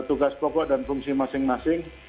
tugas pokok dan fungsi masing masing